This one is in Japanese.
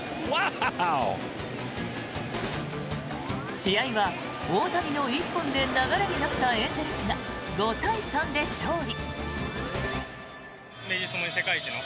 試合は大谷の一本で流れに乗ったエンゼルスが５対３で勝利。